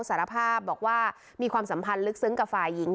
สารภาพบอกว่ามีความสัมพันธ์ลึกซึ้งกับฝ่ายหญิง